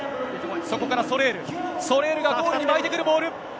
そこからソレール、ソレールがゴールに巻いてくるボール。